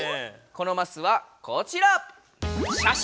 このマスはこちら！